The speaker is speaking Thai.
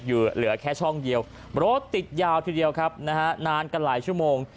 เหลือแค่ช่องเดียวรถติดยาวทีเดียวครับนะฮะนานกันหลายชั่วโมง